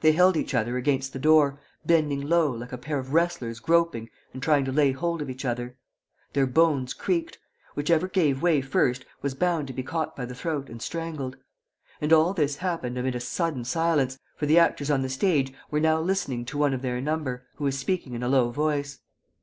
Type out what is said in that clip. They held each other against the door, bending low, like a pair of wrestlers groping and trying to lay hold of each other. Their bones creaked. Whichever gave way first was bound to be caught by the throat and strangled. And all this happened amid a sudden silence, for the actors on the stage were now listening to one of their number, who was speaking in a low voice.